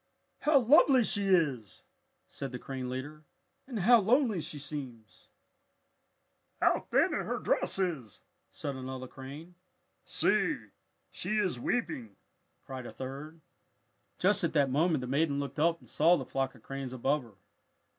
"How lovely she is!" said the crane leader. "And how lonely she seems!" "How thin her dress is!" said another crane. "See, she is weeping!" cried a third. Just at that moment the maiden looked up and saw the flock of cranes above her.